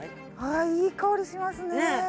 あいい香りしますねねえ